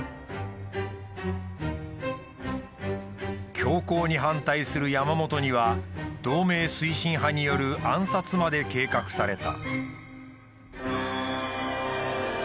強硬に反対する山本には同盟推進派による暗殺まで計画された。